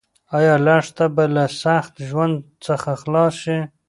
ایا لښته به له سخت ژوند څخه خلاص شي؟